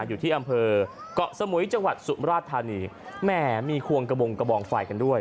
อยู่ที่อำเภอกเกาะสมุยจังหวัดสุมราชธานีแหมมีควงกระบงกระบองไฟกันด้วย